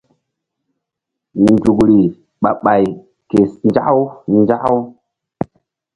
Nzukri ɓah ɓay ke nzaku nzaku.